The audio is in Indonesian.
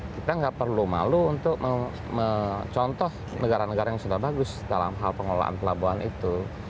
kita nggak perlu malu untuk mencontoh negara negara yang sudah bagus dalam hal pengelolaan pelabuhan itu